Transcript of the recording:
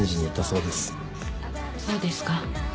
そうですか。